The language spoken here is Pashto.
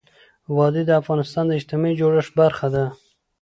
وادي د افغانستان د اجتماعي جوړښت برخه ده.